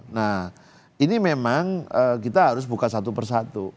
nah ini memang kita harus buka satu persatu